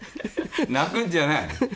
泣くんじゃない！